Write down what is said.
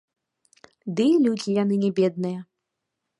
Ды і людзі яны не бедныя.